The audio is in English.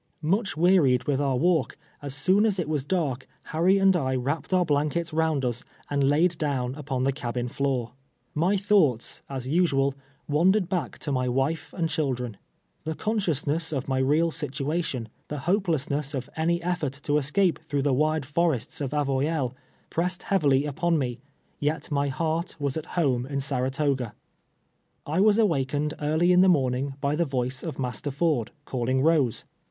Much wearied with our walk, as soon as it was dark, Harry and I wrapped our blankets round us, and laid down upon the cabin floor. My thoughts, as usual, wandered back to my wife and children. The consciousness of my real situation ; the hopeless ness of any eiibrt to escape through the wide forests of Avoyelles, pressed heavily upon me, yet my heart was at home in Saratoga. I was awakened early in the' morning by tiie voice of Master Ford^ calling Rose.